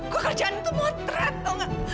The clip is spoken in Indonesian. gue kerjaan itu motret tau nggak